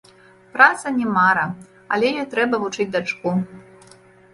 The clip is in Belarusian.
Праца не мара, але ёй трэба вучыць дачку.